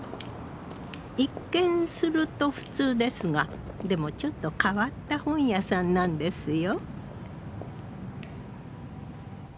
一見すると普通ですがでもちょっと変わった本屋さんなんですよ。